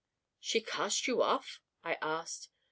"'She cast you off?' I asked.